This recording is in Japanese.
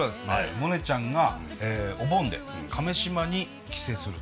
モネちゃんがお盆で亀島に帰省するという。